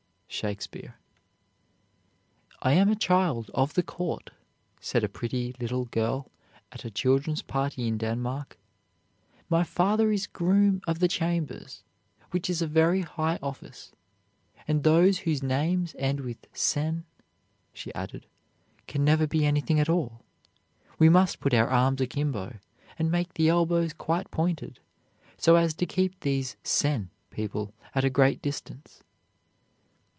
SHAKESPEARE. "I am a child of the court," said a pretty little girl at a children's party in Denmark; "my father is Groom of the Chambers, which is a very high office. And those whose names end with 'sen,'" she added, "can never be anything at all. We must put our arms akimbo, and make the elbows quite pointed, so as to keep these 'sen' people at a great distance."